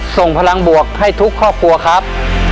ส่งพลังบวกให้ทุกครอบครัวครับ